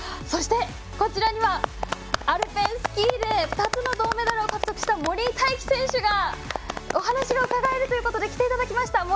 そして、こちらにはアルペンスキーで２つの銅メダルを獲得した森井大輝選手にお話を伺えるということで来ていただきました。